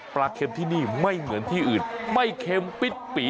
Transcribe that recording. เค็มที่นี่ไม่เหมือนที่อื่นไม่เค็มปิดปี